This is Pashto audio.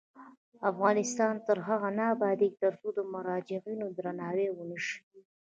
افغانستان تر هغو نه ابادیږي، ترڅو د مراجعینو درناوی ونشي.